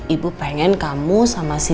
ibu pengen kamu sama si